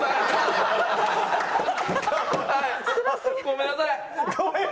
ごめんなさい！